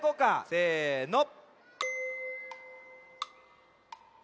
せの。